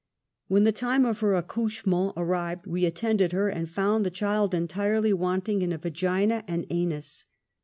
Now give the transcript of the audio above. '^ When the time of her accoiichment arrived we at tended her and found the child entirely wanting in a vao ina and anus.